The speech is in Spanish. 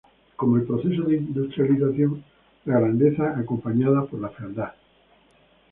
Como el proceso de industrialización, la grandeza acompañada por la fealdad.